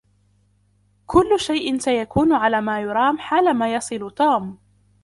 كل شيء سيكون على ما يرام حالما يصل توم.